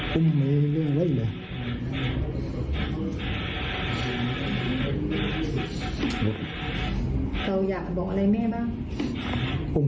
เธออยากบอกอะไรไหมบ้าง